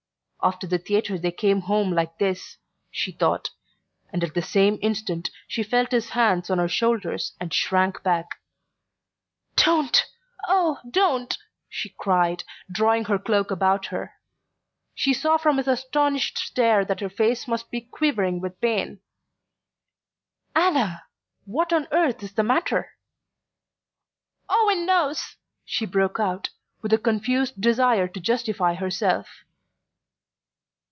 "After the theatre they came home like this," she thought; and at the same instant she felt his hands on her shoulders and shrank back. "Don't oh, don't!" she cried, drawing her cloak about her. She saw from his astonished stare that her face must be quivering with pain. "Anna! What on earth is the matter?" "Owen knows!" she broke out, with a confused desire to justify herself.